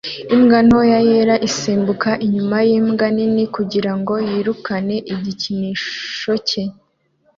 Imbwa ntoya yera isimbuka inyuma yimbwa nini kugirango yirukane igikinisho cye